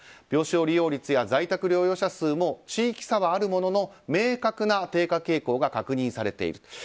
病床利用率や在宅療養者数も地域差はあるものの明確な低下傾向が確認されている。